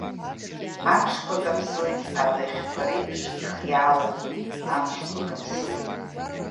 Амшқәа каԥсоит абыӷьқәа реиԥш ихиааланы, амшқәа каԥсоит.